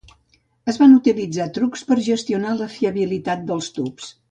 Es van utilitzar trucs per gestionar la fiabilitat dels tubs.